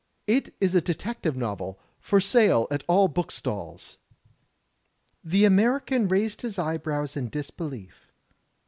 It is a detective novel, for sale at all bookstalls.'* The American raised his eyebrows in disbelief.